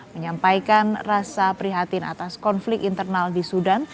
menyampaikan rasa prihatin atas konflik internal di sudan